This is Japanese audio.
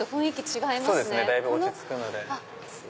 そうですねだいぶ落ち着くので。